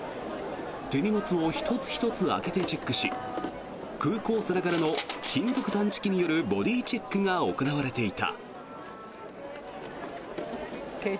手荷物を１つ１つ開けてチェックし空港さながらの金属探知機によるボディーチェックが行われていた。